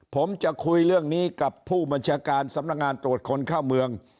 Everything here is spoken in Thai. ผมจะคุยเรื่องนี้กับผู้บัญชาการสำนักงานตรวจคนเข้าเมือง